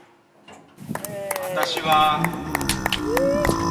私はあ